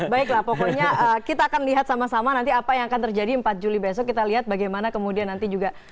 baiklah pokoknya kita akan lihat sama sama nanti apa yang akan terjadi empat juli besok kita lihat bagaimana kemudian nanti juga